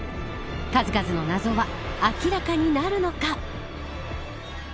数々の謎は明らかになるのか。